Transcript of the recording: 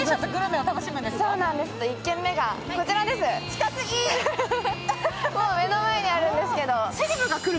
もう目の前にあるんですけど。